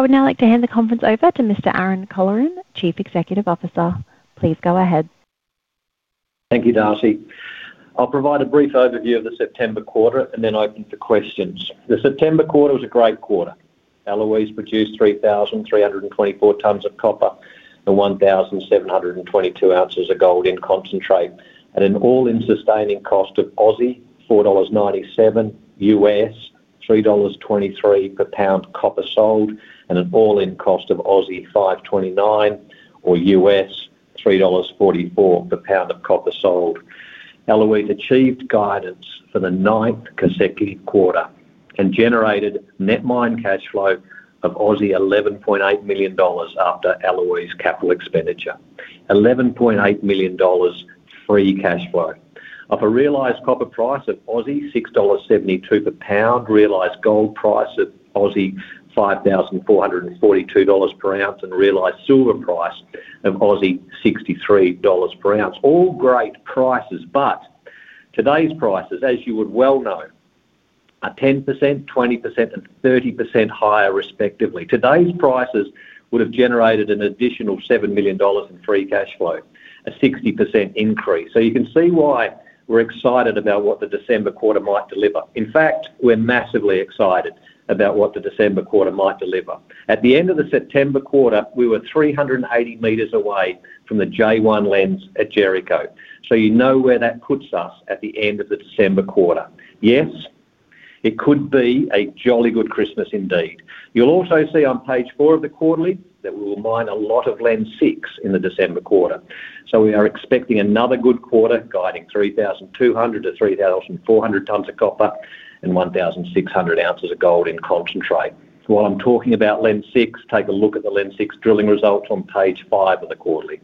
I would now like to hand the conference over to Mr. Aaron Colleran, Chief Executive Officer. Please go ahead. Thank you, Darcy. I'll provide a brief overview of the September quarter and then open for questions. The September quarter was a great quarter. Eloise produced 3,324 tons of copper and 1,722 oz of gold in concentrate, and an all-in sustaining cost of 4.97 Aussie dollars, $3.23 per pound of copper sold, and an all-in cost of 5.29 or $3.44 per pound of copper sold. Eloise achieved guidance for the ninth consecutive quarter and generated net mine cash flow of 11.8 million Aussie dollars after Eloise's capital expenditure. 11.8 million dollars free cash flow. Of a realized copper price of 6.72 Aussie dollars per pound, realized gold price of 5,442 Aussie dollars per ounce, and realized silver price of 63 Aussie dollars per ounce. All great prices, but today's prices, as you would well know, are 10%, 20%, and 30% higher respectively. Today's prices would have generated an additional 7 million dollars in free cash flow, a 60% increase. You can see why we're excited about what the December quarter might deliver. In fact, we're massively excited about what the December quarter might deliver. At the end of the September quarter, we were 380 m away from the J1 lens at Jericho. You know where that puts us at the end of the December quarter. Yes, it could be a jolly good Christmas indeed. You'll also see on page four of the quarterly that we will mine a lot of Lens 6 in the December quarter. We are expecting another good quarter guiding 3,200 tons-3,400 tons of copper and 1,600 oz of gold in concentrate. While I'm talking about Lens 6, take a look at the Lens 6 drilling results on page five of the quarterly.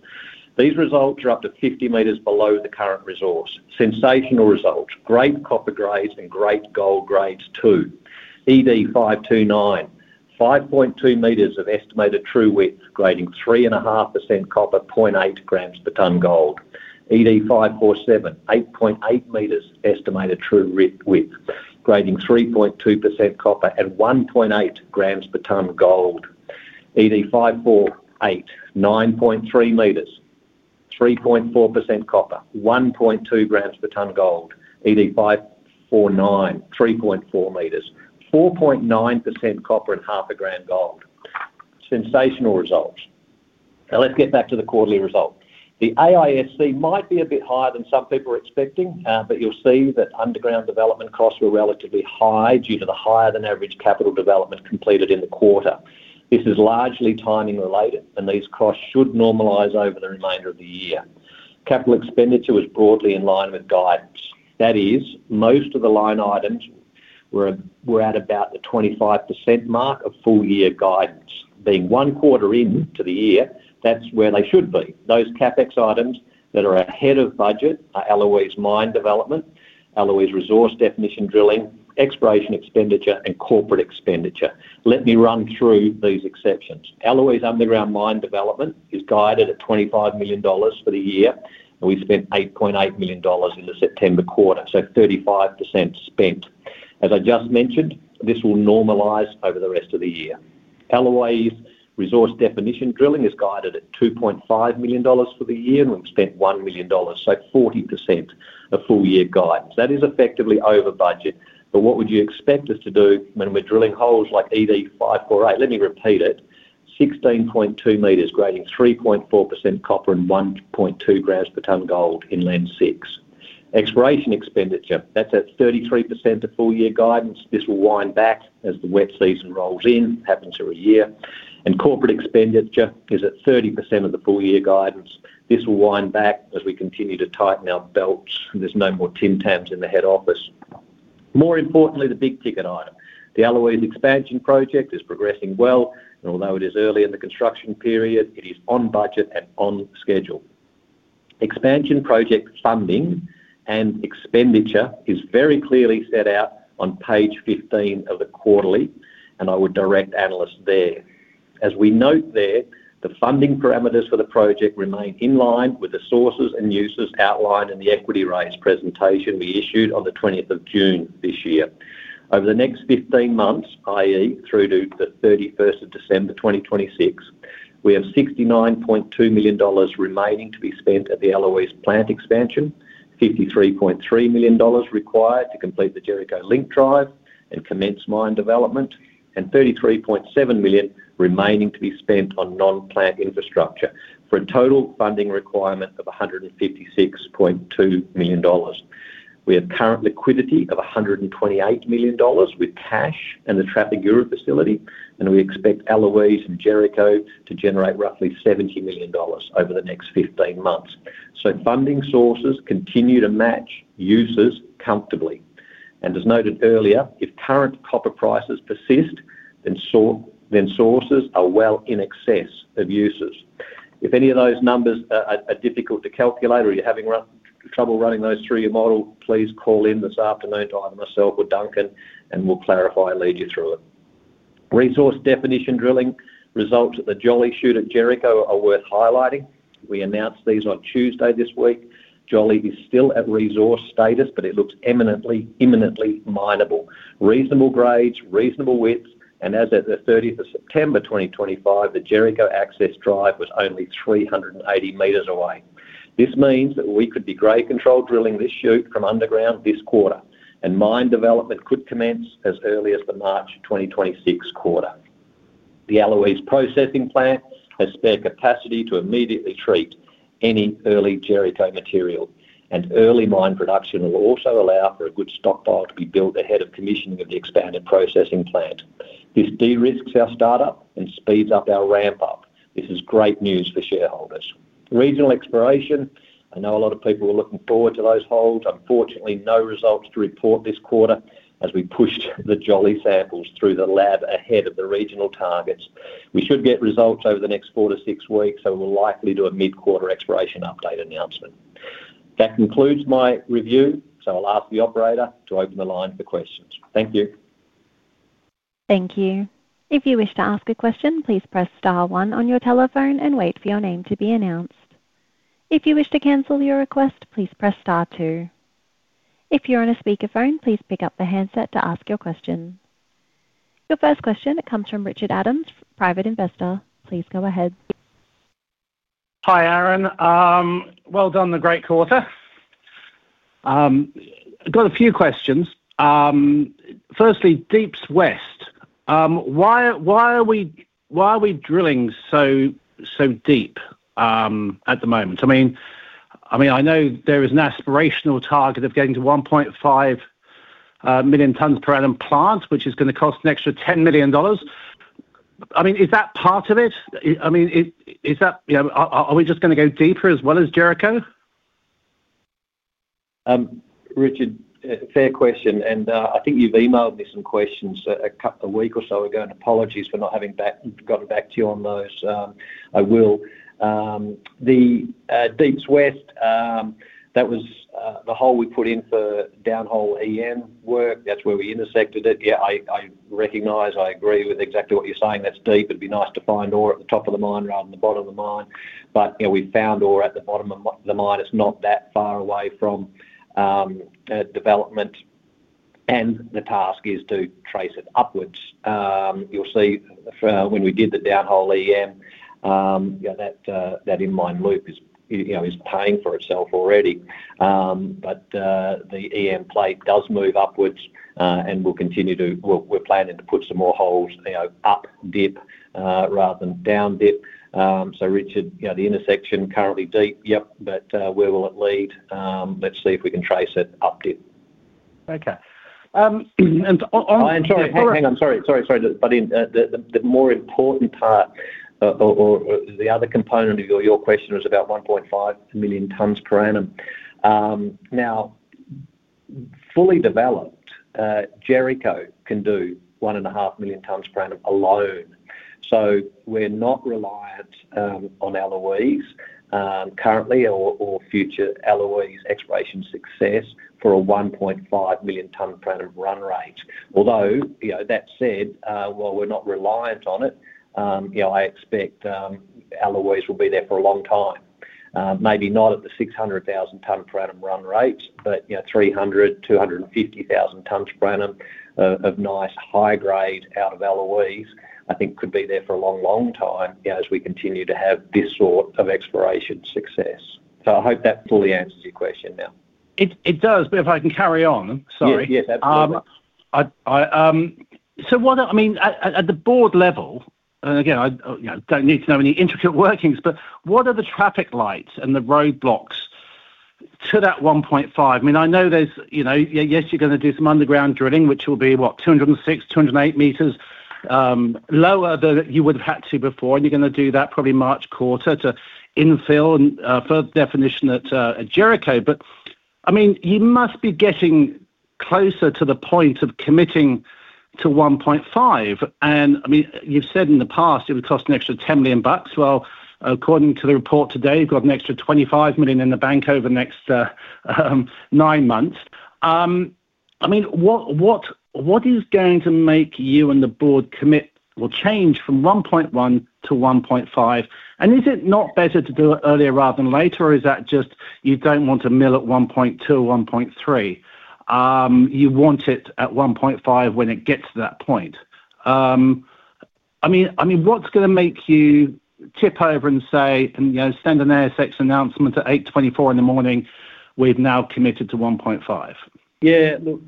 These results are up to 50 m below the current resource. Sensational results. Great copper grades and great gold grades too. ED529, 5.2 m of estimated true width, grading 3.5% copper, 0.8 g per ton gold. ED547, 8.8 m estimated true width, grading 3.2% copper and 1.8 g per ton gold. ED548, 9.3 m, 3.4% copper, 1.2 g per ton gold. ED549, 3.4 m, 4.9% copper and 0.5 g per ton gold. Sensational results. Now let's get back to the quarterly result. The AISC might be a bit higher than some people are expecting, but you'll see that underground development costs were relatively high due to the higher than average capital development completed in the quarter. This is largely timing related, and these costs should normalize over the remainder of the year. Capital expenditure was broadly in line with guidance. That is, most of the line items were at about the 25% mark of full year guidance. Being one quarter into the year, that's where they should be. Those CapEx items that are ahead of budget are Eloise mine development, Eloise resource definition drilling, exploration expenditure, and corporate expenditure. Let me run through these exceptions. Eloise underground mine development is guided at 25 million dollars for the year, and we spent 8.8 million dollars in the September quarter, so 35% spent. As I just mentioned, this will normalize over the rest of the year. Eloise resource definition drilling is guided at 2.5 million dollars for the year, and we've spent 1 million dollars, so 40% of full year guidance. That is effectively over budget, but what would you expect us to do when we're drilling holes like ED548? Let me repeat it. 16.2 m grading 3.4% copper and 1.2 g per ton gold in Lens 6. Exploration expenditure, that's at 33% of full year guidance. This will wind back as the wet season rolls in. It happens every year. Corporate expenditure is at 30% of the full year guidance. This will wind back as we continue to tighten our belts. There's no more Tim Tams in the head office. More importantly, the big ticket item. The Eloise expansion project is progressing well, and although it is early in the construction period, it is on budget and on schedule. Expansion project funding and expenditure is very clearly set out on page 15 of the quarterly, and I would direct analysts there. As we note there, the funding parameters for the project remain in line with the sources and uses outlined in the equity raise presentation we issued on the 20th of June this year. Over the next 15 months, i.e., through to the 31st of December 2024, we have 69.2 million dollars remaining to be spent at the Eloise plant expansion, 53.3 million dollars required to complete the Jericho link drive and commence mine development, and 33.7 million remaining to be spent on non-plant infrastructure for a total funding requirement of 156.2 million dollars. We have current liquidity of 128 million dollars with cash and the Trafigura facility, and we expect Eloise and Jericho to generate roughly 70 million dollars over the next 15 months. Funding sources continue to match uses comfortably. As noted earlier, if current copper prices persist, then sources are well in excess of uses. If any of those numbers are difficult to calculate or you're having trouble running those through your model, please call in this afternoon to either myself or Duncan, and we'll clarify and lead you through it. Resource definition drilling results at the Jolly shoot at Jericho are worth highlighting. We announced these on Tuesday this week. Jolly is still at resource status, but it looks imminently minable. Reasonable grades, reasonable widths, and as at the 30th of September 2025, the Jericho access drive was only 380 m away. This means that we could be grade control drilling this shoot from underground this quarter, and mine development could commence as early as the March 2026 quarter. The Eloise processing plant has spare capacity to immediately treat any early Jericho material, and early mine production will also allow for a good stockpile to be built ahead of commissioning of the expanded processing plant. This de-risks our startup and speeds up our ramp-up. This is great news for shareholders. Regional exploration, I know a lot of people were looking forward to those holes. Unfortunately, no results to report this quarter as we pushed the Jolly samples through the lab ahead of the regional targets. We should get results over the next four to six weeks, so we'll likely do a mid-quarter exploration update announcement. That concludes my review, so I'll ask the operator to open the line for questions. Thank you. Thank you. If you wish to ask a question, please press star one on your telephone and wait for your name to be announced. If you wish to cancel your request, please press star two. If you're on a speaker phone, please pick up the headset to ask your question. Your first question comes from Richard Adams, Private Investor. Please go ahead. Hi, Aaron. Well done, the great quarter. I've got a few questions. Firstly, Deep's West. Why are we drilling so deep at the moment? I know there is an aspirational target of getting to 1.5 million tons per annum plant, which is going to cost an extra 10 million dollars. Is that part of it? Is that, you know, are we just going to go deeper as well as Jericho? Richard, fair question. I think you've emailed me some questions a week or so ago, and apologies for not having gotten back to you on those. I will. The Deep's West, that was the hole we put in for downhole EM work. That's where we intersected it. Yeah, I recognize, I agree with exactly what you're saying. That's deep. It'd be nice to find ore at the top of the mine rather than the bottom of the mine. You know, we found ore at the bottom of the mine. It's not that far away from development, and the task is to trace it upwards. You'll see when we did the downhole EM, that in-mine loop is paying for itself already. The EM plate does move upwards and will continue to, we're planning to put some more holes up dip rather than down dip. Richard, the intersection currently deep, yep, but where will it lead? Let's see if we can trace it up dip. Okay. On. Sorry, sorry. In the more important part or the other component of your question was about 1.5 million tons per annum. Now, fully developed, Jericho can do 1.5 million tons per annum alone. We're not reliant on Eloise currently or future Eloise exploration success for a 1.5 million tons per annum run rate. Although, you know, that said, while we're not reliant on it, I expect Eloise will be there for a long time. Maybe not at the 600,000 tons per annum run rate, but, you know, 300,000, 250,000 tons per annum of nice high grade out of Eloise, I think could be there for a long, long time, you know, as we continue to have this sort of exploration success. I hope that fully answers your question now. It does, if I can carry on, I'm sorry. Yes, absolutely. What are, at the board level, and again, I don't need to know any intricate workings, what are the traffic lights and the roadblocks to that 1.5? I know there's, you know, yes, you're going to do some underground drilling, which will be, what, 206 m, 208 m lower than you would have had to before, and you're going to do that probably March quarter to infill and further definition at Jericho. You must be getting closer to the point of committing to 1.5. You've said in the past it would cost an extra 10 million bucks. According to the report today, you've got an extra 25 million in the bank over the next nine months. What is going to make you and the board commit or change from 1.1 t-1.5? Is it not better to do it earlier rather than later, or is that just you don't want to mill at 1.2, 1.3? You want it at 1.5 when it gets to that point. What's going to make you tip over and say, and, you know, send an ASX announcement at 8:24 A.M., we've now committed to 1.5? Yeah, look,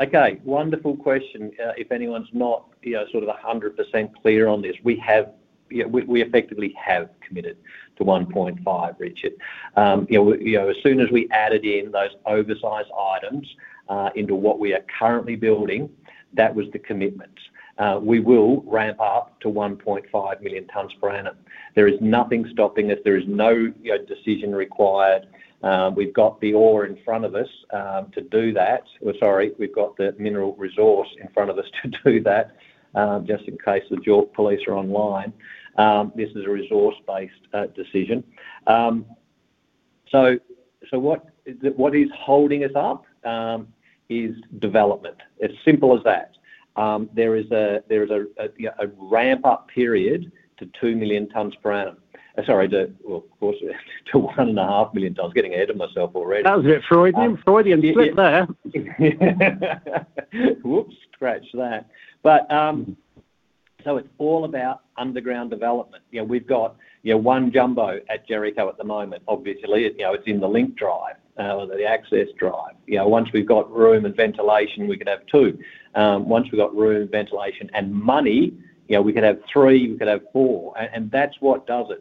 okay, wonderful question. If anyone's not sort of 100% clear on this, we have, we effectively have committed to 1.5, Richard. As soon as we added in those oversized items into what we are currently building, that was the commitment. We will ramp up to 1.5 million tons per annum. There is nothing stopping us. There is no decision required. We've got the ore in front of us to do that. Sorry, we've got the mineral resource in front of us to do that. Just in case the JORC police are online, this is a resource-based decision. What is holding us up is development. As simple as that. There is a ramp-up period to 2 million tons per annum. Sorry, of course, to 1.5 million tons. Getting ahead of myself already. That was a bit Freudian slip there. It's all about underground development. We've got one jumbo at Jericho at the moment, obviously. It's in the link drive, the access drive. Once we've got room and ventilation, we could have two. Once we've got room, ventilation, and money, we could have three, we could have four. That's what does it.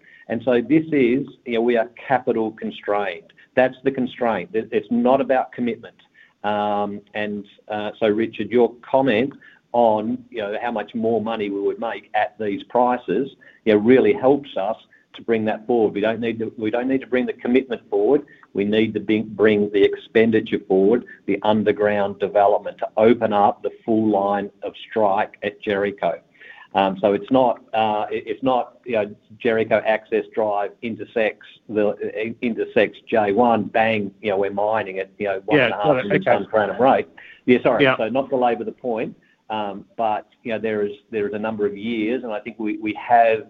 We are capital constrained. That's the constraint. It's not about commitment. Richard, your comment on how much more money we would make at these prices really helps us to bring that forward. We don't need to bring the commitment forward. We need to bring the expenditure forward, the underground development to open up the full line of strike at Jericho. It's not Jericho access drive intersects J1. Bang, we're mining at 1.5 million tons per annum rate. Sorry, not to labor the point, but there is a number of years, and I think we have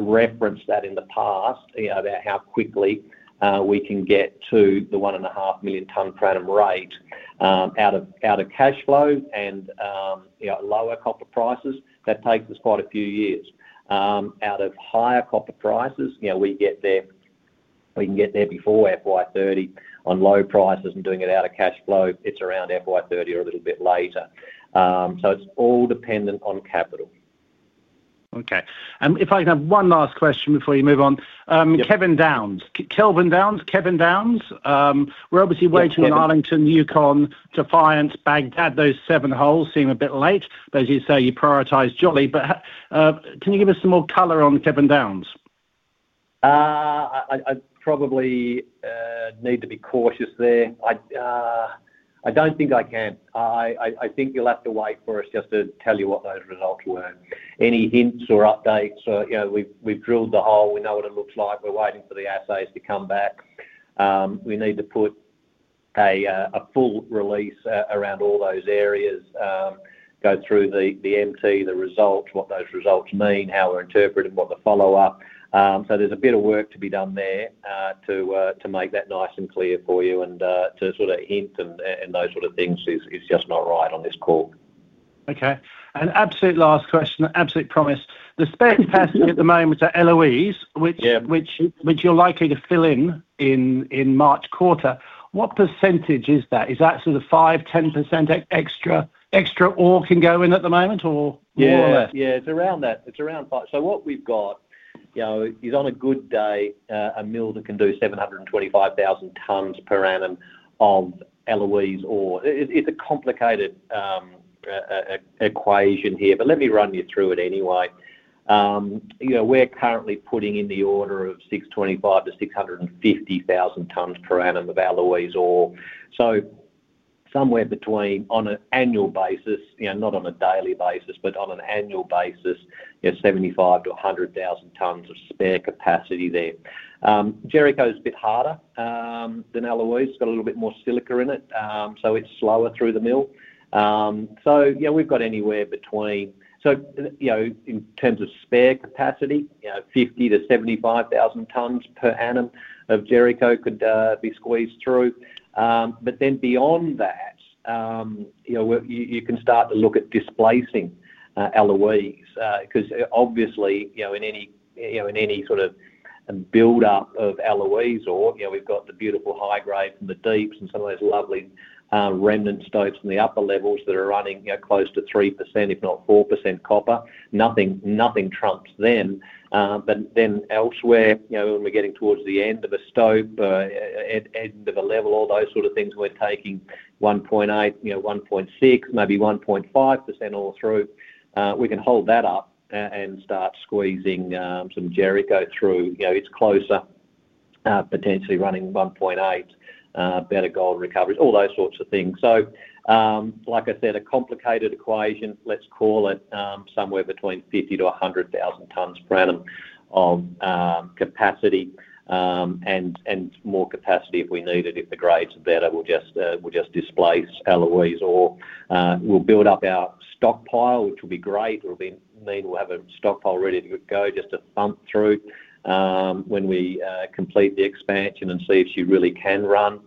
referenced that in the past, about how quickly we can get to the 1.5 million tons per annum rate out of cash flow and lower copper prices. That takes us quite a few years. Out of higher copper prices, we get there. We can get there before FY 2030 on low prices and doing it out of cash flow. It's around FY 2030 or a little bit later. It's all dependent on capital. Okay. If I can have one last question before you move on. Kevin Downs. We're obviously waiting on Arlington, Yukon, Defiance, Baghdad. Those seven holes seem a bit late, as you say, you prioritize Jolly. Can you give us some more color on Kevin Downs? I probably need to be cautious there. I don't think I can. I think you'll have to wait for us just to tell you what those results were. Any hints or updates? We've drilled the hole. We know what it looks like. We're waiting for the assays to come back. We need to put a full release around all those areas, go through the MT, the results, what those results mean, how we're interpreting what the follow-up is. There's a bit of work to be done there to make that nice and clear for you. To sort of hint at those sort of things is just not right on this call. Okay. Absolute last question, absolute promise. The spend passing at the moment at Eloise, which you're likely to fill in in March quarter, what percentage is that? Is that sort of 5%, 10% extra ore can go in at the moment, or more or less? Yeah, it's around that. It's around 5%. What we've got is on a good day, a mill can do 725,000 tons per annum of Eloise ore. It's a complicated equation here, but let me run you through it anyway. We're currently putting in the order of 625,00 tons-650,000 tons per annum of Eloise ore. Somewhere between, on an annual basis, not on a daily basis, but on an annual basis, 75,000 tons-100,000 tons of spare capacity there. Jericho's a bit harder than Eloise. It's got a little bit more silica in it, so it's slower through the mill. We've got anywhere between, in terms of spare capacity, 50,000 tons-75,000 tons per annum of Jericho could be squeezed through. Beyond that, you can start to look at displacing Eloise because obviously, in any sort of build-up of Eloise ore, we've got the beautiful high grade from the deeps and some of those lovely remnant stopes from the upper levels that are running close to 3%, if not 4% copper. Nothing trumps them. Elsewhere, when we're getting towards the end of a stope, end of a level, all those sort of things, we're taking 1.8%, 1.6%, maybe 1.5% ore through. We can hold that up and start squeezing some Jericho through. It's closer, potentially running 1.8%, better gold recoveries, all those sorts of things. Like I said, a complicated equation, let's call it somewhere between 50,000 ttons-100,000 tons per annum of capacity and more capacity if we need it. If the grades are better, we'll just displace Eloise ore. We'll build up our stockpile, which will be great. It will mean we'll have a stockpile ready to go just to thump through when we complete the expansion and see if she really can run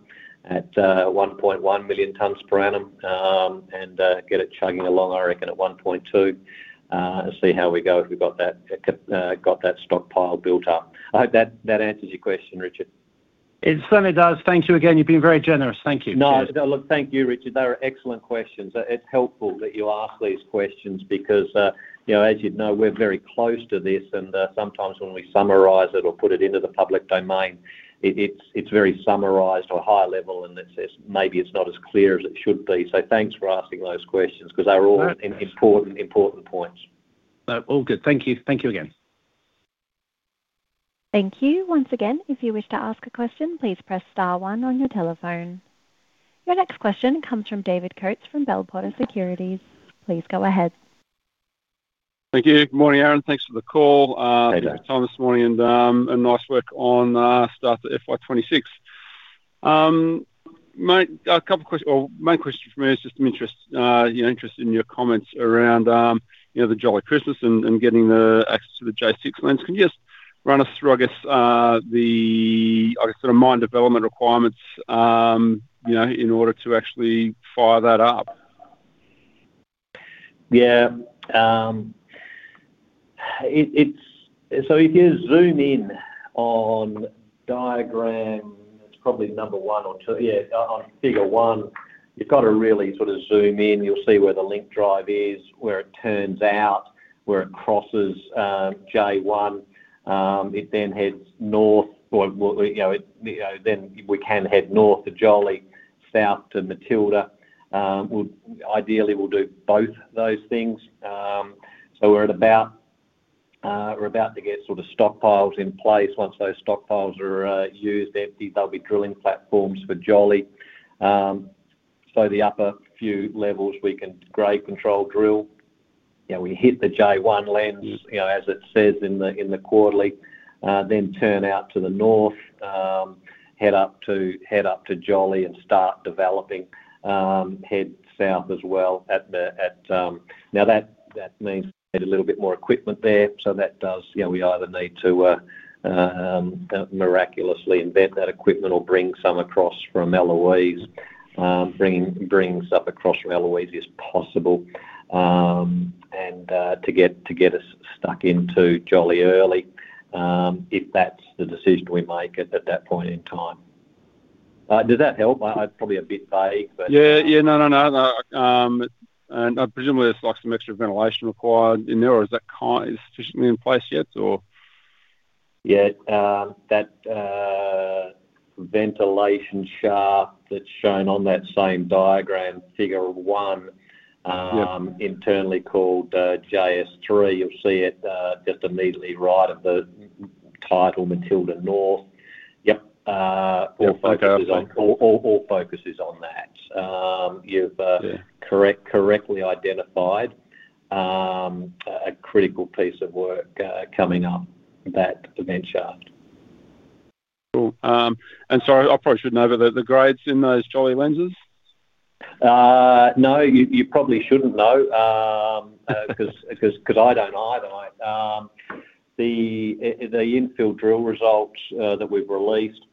at 1.1 million tons per annum and get it chugging along, I reckon, at 1.2 million and see how we go if we've got that stockpile built up. I hope that answers your question, Richard. It certainly does. Thank you again. You've been very generous. Thank you. No, thank you, Richard. They were excellent questions. It's helpful that you ask these questions because, you know, as you know, we're very close to this. Sometimes when we summarize it or put it into the public domain, it's very summarized or high level, and maybe it's not as clear as it should be. Thanks for asking those questions because they're all important, important points. All good. Thank you. Thank you again. Thank you. Once again, if you wish to ask a question, please press star one on your telephone. Your next question comes from David Coates from Bell Potter Securities. Please go ahead. Thank you. Good morning, Aaron. Thanks for the call. Hey, David. Thanks for your time this morning and nice work on starting the FY 2026. A couple of questions, or main question for me is just some interest in your comments around the Jolly shoot and getting the access to the Lens 6. Can you just run us through, I guess, the sort of mine development requirements in order to actually fire that up? Yeah. If you zoom in on the diagram, it's probably number one or two, on figure one, you've got to really sort of zoom in. You'll see where the link drive is, where it turns out, where it crosses J1. It then heads north. You know, we can head north to Jolly, south to Matilda. Ideally, we'll do both of those things. We're about to get sort of stockpiles in place. Once those stockpiles are used, they'll be drilling platforms for Jolly. The upper few levels we can grade control, drill. We hit the J1 lens, as it says in the quarterly, then turn out to the north, head up to Jolly and start developing, head south as well at the... That means we need a little bit more equipment there. We either need to miraculously invent that equipment or bring some across from Eloise, bring stuff across from Eloise as possible, and to get us stuck into Jolly early if that's the decision we make at that point in time. Does that help? I'm probably a bit vague, but. I presume there's some extra ventilation required in there, or is that sufficiently in place yet, or? Yeah, that ventilation shaft that's shown on that same diagram, figure one, internally called JS3, you'll see it just immediately right of the title Matilda North. Yep, all focuses on that. You've correctly identified a critical piece of work coming up, that vent shaft. Cool. Sorry, I probably should know, but the grades in those Jolly shoot lenses? No, you probably shouldn't know because I don't either. The infill drill results that we've released,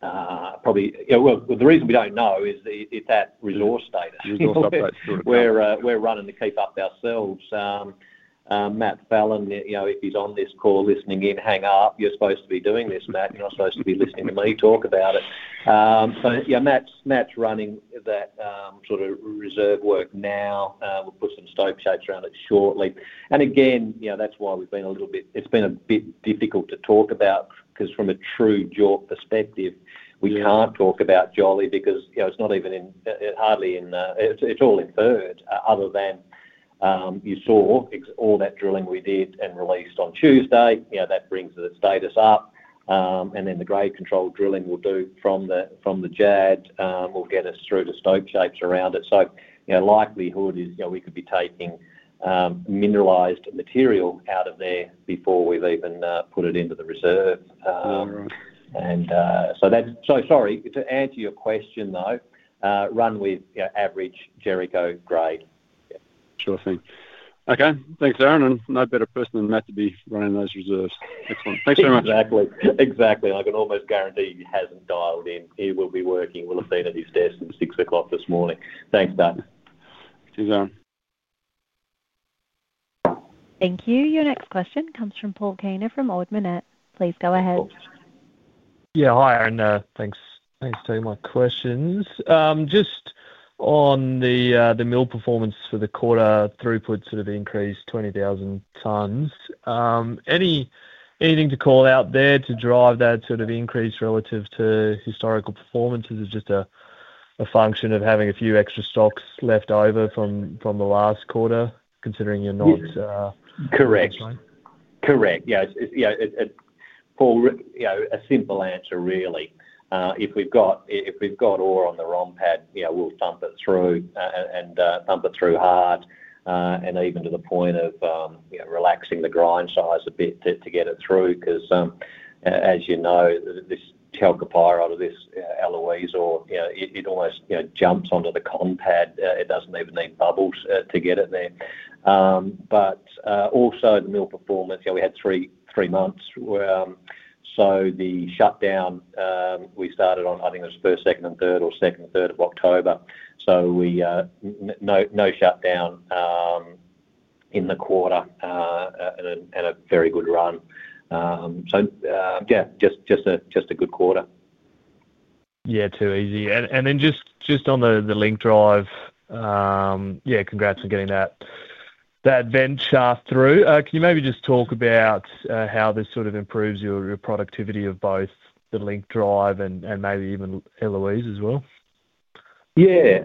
probably the reason we don't know is that resource status. Resource status, yeah. We're running to keep up ourselves. Matt Fallon, if he's on this call listening in, hang up. You're supposed to be doing this, Matt. You're not supposed to be listening to me talk about it. Matt's running that sort of reserve work now. We'll put some stope shapes around it shortly. It's been a bit difficult to talk about because from a true JORC perspective, we can't talk about Jolly because it's not even in, it's all inferred other than you saw all that drilling we did and released on Tuesday. That brings the status up, and then the grade control drilling we'll do from the JAD will get us through to stope shapes around it. The likelihood is we could be taking mineralized material out of there before we've even put it into the reserve. Sorry, to answer your question, though, run with average Jericho grade. Sure thing. Okay. Thanks, Aaron. No better person than Matt to be running those reserves. Excellent. Thanks very much. Exactly. Exactly. I can almost guarantee he hasn't dialed in. He will be working. We'll have seen at his desk at 6:00 A.M. this morning. Thanks, David. Cheers, Aaron. Thank you. Your next question comes from Paul Kaner from Ord Minnett. Please go ahead. Yeah, hi, Aaron. Thanks for my questions. Just on the mill performance for the quarter, throughput sort of increased 20,000 tons. Anything to call out there to drive that sort of increase relative to historical performance? Is it just a function of having a few extra stocks left over from the last quarter, considering you're not? Correct. Correct. Yeah. Yeah. Paul, you know, a simple answer, really. If we've got ore on the ROM pad, you know, we'll thump it through and it through hard and even to the point of, you know, relaxing the grind size a bit to get it through because, as you know, this chalcopyrite off this Eloise ore, you know, it almost, you know, jumps onto the concentrate. It doesn't even need bubbles to get it there. Also, in the mill performance, we had three months. The shutdown we started on, I think it was first, second, and third, or second and third of October. No shutdown in the quarter and a very good run. Yeah, just a good quarter. Yeah, too easy. Just on the link drive, congrats on getting that vent shaft through. Can you maybe just talk about how this sort of improves your productivity of both the link drive and maybe even Eloise as well? Yeah.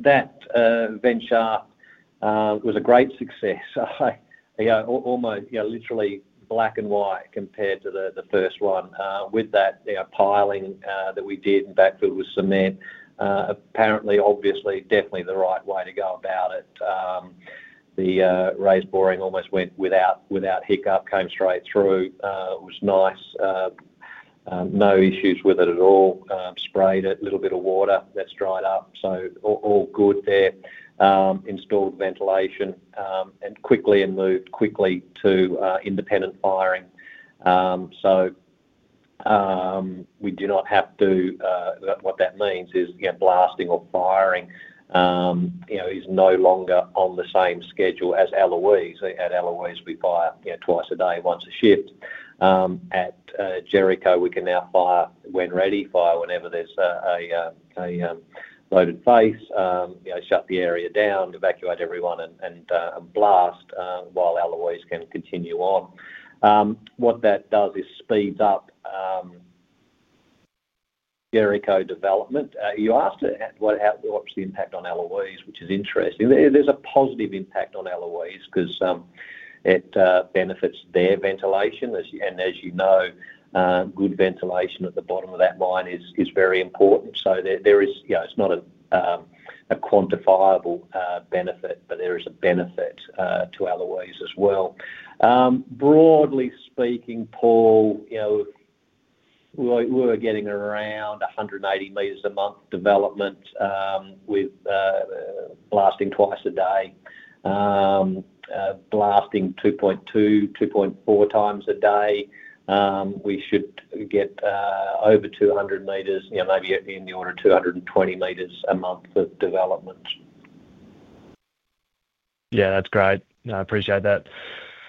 That vent shaft was a great success. I think, you know, almost, you know, literally black and white compared to the first one. With that piling that we did in backfill with cement, apparently, obviously, definitely the right way to go about it. The raised boring almost went without hiccup, came straight through. It was nice. No issues with it at all. Sprayed it, a little bit of water, that's dried up. All good there. Installed ventilation and quickly and moved quickly to independent firing. We do not have to, what that means is blasting or firing is no longer on the same schedule as Eloise. At Eloise, we fire twice a day, once a shift. At Jericho, we can now fire when ready, fire whenever there's a loaded face, shut the area down, evacuate everyone, and blast while Eloise can continue on. What that does is speeds up Jericho development. You asked what's the impact on Eloise, which is interesting. There's a positive impact on Eloise because it benefits their ventilation. As you know, good ventilation at the bottom of that mine is very important. There is, you know, it's not a quantifiable benefit, but there is a benefit to Eloise as well. Broadly speaking, Paul, we're getting around 180 m a month development with blasting twice a day, blasting 2.2x, 2.4x a day. We should get over 200 m, maybe in the order of 220 m a month of development. Yeah, that's great. I appreciate that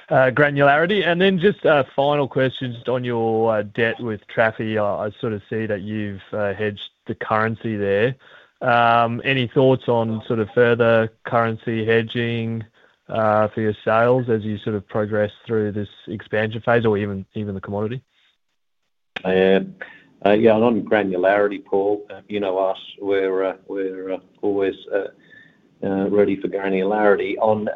granularity. Just a final question on your debt with Trafigura. I see that you've hedged the currency there. Any thoughts on further currency hedging for your sales as you progress through this expansion phase or even the commodity? Yeah, and on granularity, Paul, you know us. We're always ready for granularity. On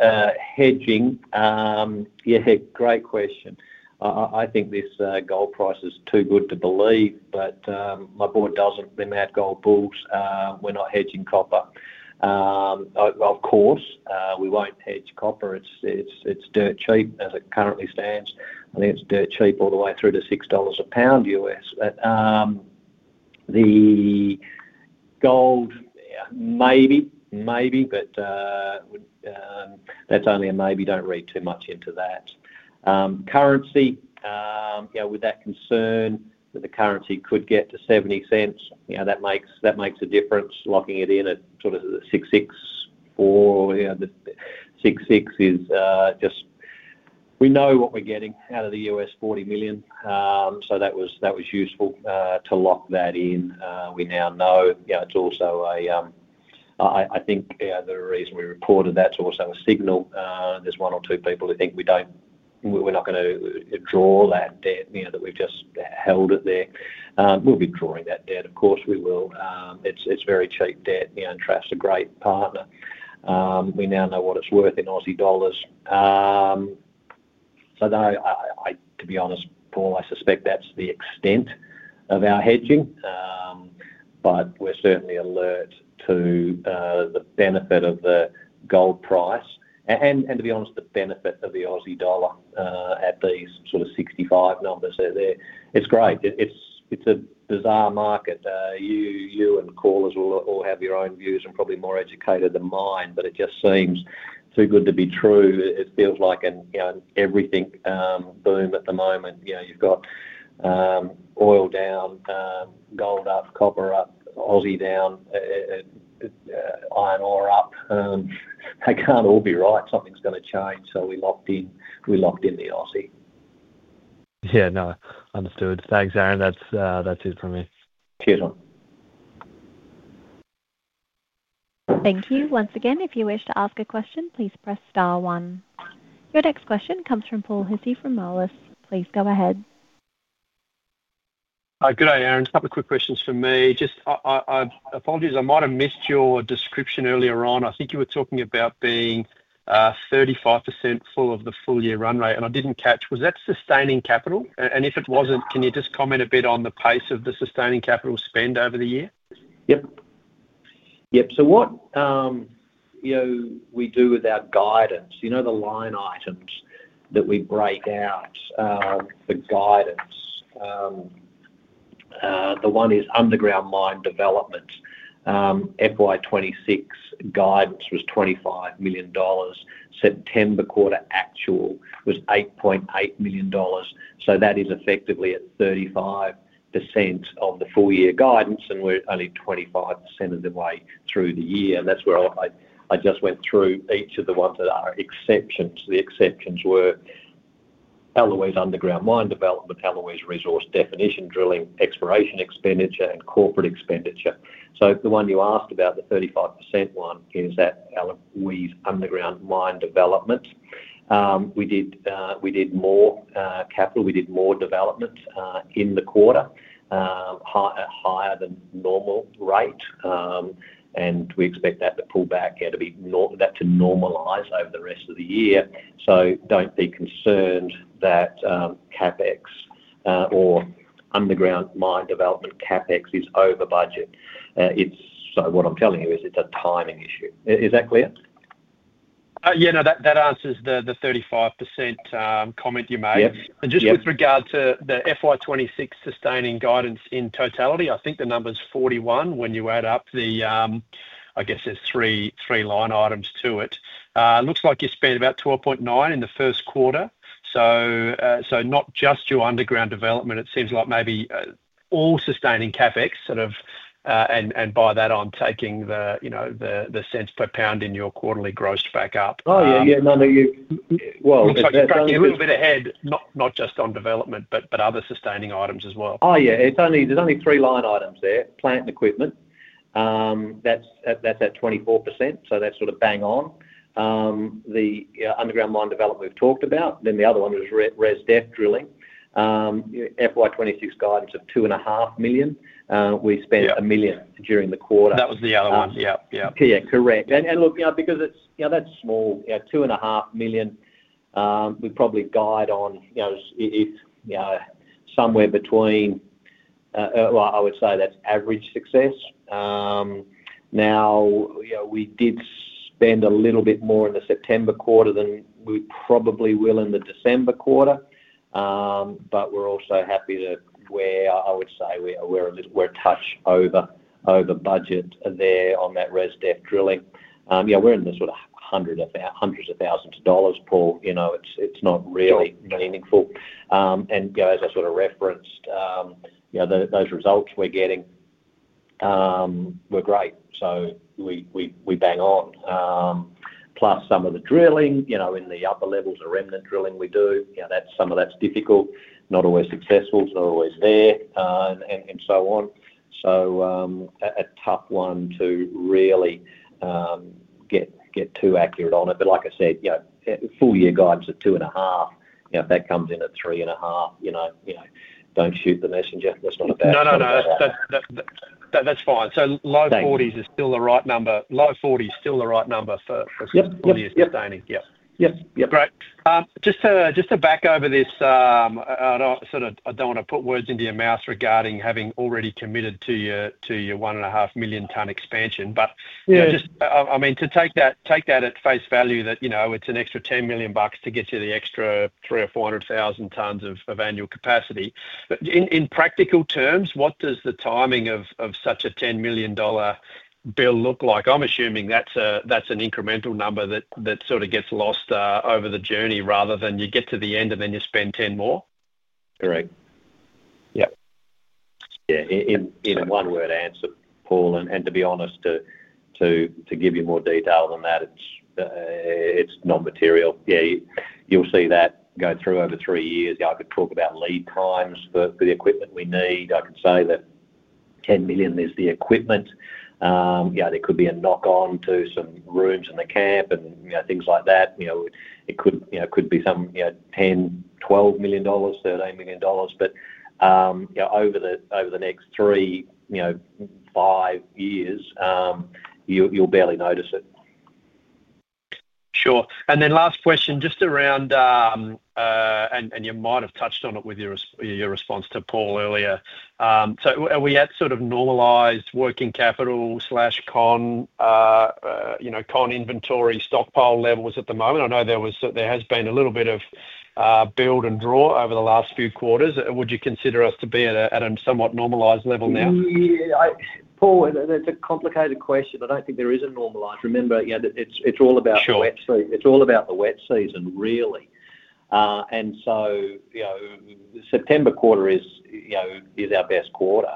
hedging, yeah, great question. I think this gold price is too good to believe, but my board doesn't. We're not gold bulls. We're not hedging copper. Of course, we won't hedge copper. It's dirt cheap as it currently stands. I think it's dirt cheap all the way through to $6 a pound. The gold, yeah, maybe, maybe, but that's only a maybe. Don't read too much into that. Currency, you know, with that concern that the currency could get to 0.70, you know, that makes a difference locking it in at sort of 6x4. 6x is just we know what we're getting out of the $40 million. So that was useful to lock that in. We now know, you know, it's also a, I think, you know, the reason we reported that's also a signal. There's one or two people who think we don't, we're not going to draw that debt, you know, that we've just held it there. We'll be drawing that debt, of course, we will. It's very cheap debt, you know, and Trafigura's a great partner. We now know what it's worth in Aussie dollars. No, to be honest, Paul, I suspect that's the extent of our hedging. We're certainly alert to the benefit of the gold price. To be honest, the benefit of the Aussie dollar at these sort of 65 numbers there. It's great. It's a bizarre market. You and callers will all have your own views and probably more educated than mine, but it just seems too good to be true. It feels like an everything boom at the moment. You've got oil down, gold up, copper up, Aussie down, iron ore up. They can't all be right. Something's going to change. We locked in the Aussie. Yeah, no, understood. Thanks, Aaron. That's it for me. Cheers, Aaron. Thank you. Once again, if you wish to ask a question, please press star one. Your next question comes from Paul Hissey from Moelis. Please go ahead. Good day, Aaron. A couple of quick questions for me. I apologize. I might have missed your description earlier on. I think you were talking about being 35% full of the full year run rate, and I didn't catch. Was that sustaining capital? If it wasn't, can you just comment a bit on the pace of the sustaining capital spend over the year? Yep. Yep. What we do with our guidance, you know, the line items that we break out, the guidance, the one is underground mine development. FY 2026 guidance was 25 million dollars. September quarter actual was 8.8 million dollars. That is effectively at 35% of the full year guidance, and we're only 25% of the way through the year. I just went through each of the ones that are exceptions. The exceptions were Eloise underground mine development, Eloise resource definition drilling, exploration expenditure, and corporate expenditure. The one you asked about, the 35% one, is that Eloise underground mine development. We did more capital. We did more development in the quarter, higher than normal rate. We expect that to pull back, you know, to be that to normalize over the rest of the year. Don't be concerned that CapEx or underground mine development CapEx is over budget. What I'm telling you is it's a timing issue. Is that clear? Yeah, no, that answers the 35% comment you made. Just with regard to the FY 2026 sustaining guidance in totality, I think the number's 41 million when you add up the, I guess there's three line items to it. It looks like you spent about 12.9 million in the first quarter. Not just your underground development, it seems like maybe all sustaining CapEx sort of, and by that I'm taking the cents per pound in your quarterly grossed back up. Yeah, you're well. You're a little bit ahead, not just on development, but other sustaining items as well. Yeah. There's only three line items there. Plant and equipment. That's at 24%. That's sort of bang on. The underground mine development we've talked about. The other one was resource definition drilling. FY 2026 guidance of 2.5 million. We spent 1 million during the quarter. That was the other one. Yeah, yeah. Yeah, correct. Look, you know, because it's, you know, that's small. You know, 2.5 million, we probably guide on, you know, if, you know, somewhere between, I would say that's average success. Now, we did spend a little bit more in the September quarter than we probably will in the December quarter. We're also happy to where, I would say, we're a little touch over budget there on that res dev drilling. We're in the sort of hundreds of thousands of dollars, Paul. It's not really meaningful. As I sort of referenced, those results we're getting were great. We bang on. Plus, some of the drilling in the upper levels of remnant drilling we do, some of that's difficult, not always successful, it's not always there, and so on. A tough one to really get too accurate on it. Like I said, full year guidance at 2.5 million. If that comes in at 3.5 million, don't shoot the messenger. That's not a bad thing. That's fine. Low 40s is still the right number. Low 40 is still the right number for some of your sustaining. Yep. Yep. Yep. Great. Just to back over this, I don't want to put words into your mouth regarding having already committed to your one and a half million ton expansion. Just, I mean, to take that at face value that, you know, it's an extra 10 million bucks to get you the extra 300,000 tons-400,000 tons of annual capacity. In practical terms, what does the timing of such a 10 million dollar bill look like? I'm assuming that's an incremental number that sort of gets lost over the journey rather than you get to the end and then you spend 10 million more. Correct. Yep. Yeah, in one word answer, Paul. To be honest, to give you more detail than that, it's non-material. You'll see that go through over three years. I could talk about lead times for the equipment we need. I could say that 10 million is the equipment. There could be a knock-on to some rooms in the camp and things like that. It could be some 10 million dollars, 12 million dollars, 13 million dollars. Over the next three, five years, you'll barely notice it. Sure. Last question just around, and you might have touched on it with your response to Paul earlier. Are we at sort of normalized working capital slash, you know, concentrate inventory stockpile levels at the moment? I know there has been a little bit of build and draw over the last few quarters. Would you consider us to be at a somewhat normalized level now? Paul, that's a complicated question. I don't think there is a normalized. Remember, it's all about the wet season, really. The September quarter is our best quarter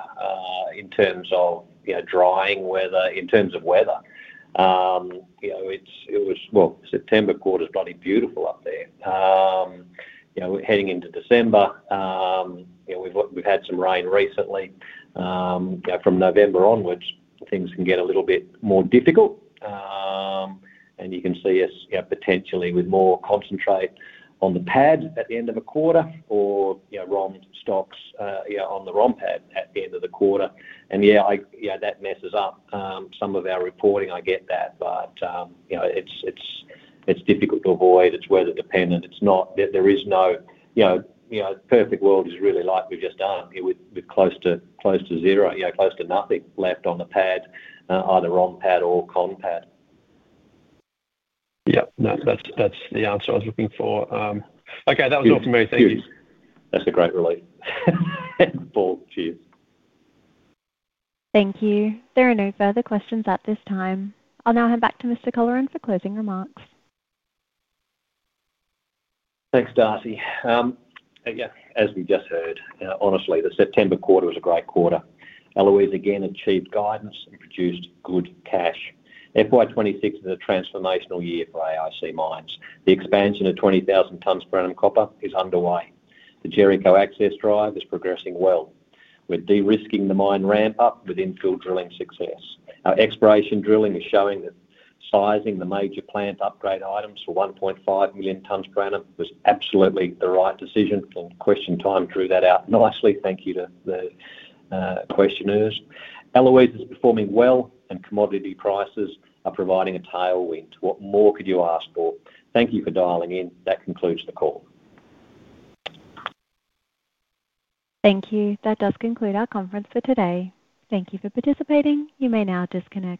in terms of drying weather, in terms of weather. September quarter's bloody beautiful up there. Heading into December, we've had some rain recently. From November onwards, things can get a little bit more difficult. You can see us potentially with more concentrate on the pad at the end of a quarter or ROM stocks on the ROM pad at the end of the quarter. That messes up some of our reporting. I get that. It's difficult to avoid. It's weather dependent. There is no perfect world. It's really like we've just done with close to zero, close to nothing left on the pad, either ROM pad or con pad. Yep, no, that's the answer I was looking for. Okay, that was all for me. Thank you. That's a great relief, Paul. Cheers. Thank you. There are no further questions at this time. I'll now hand back to Mr. Colleran for closing remarks. Thanks, Darcy. As we just heard, honestly, the September quarter was a great quarter. Eloise again achieved guidance and produced good cash. FY 2026 is a transformational year for AIC Mines. The expansion to 20,000 tons per annum copper is underway. The Jericho access drive is progressing well. We're de-risking the mine ramp-up with infill drilling success. Our exploration drilling is showing that sizing the major plant upgrade items for 1.5 million tons per annum was absolutely the right decision. Question time drew that out nicely. Thank you to the questioners. Eloise is performing well, and commodity prices are providing a tailwind. What more could you ask for? Thank you for dialing in. That concludes the call. Thank you. That does conclude our conference for today. Thank you for participating. You may now disconnect.